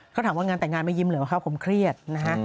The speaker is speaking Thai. เขาถามว่างานแต่งงานไม่ยิ้มเลยว่าเขาผมเครียดนะฮะ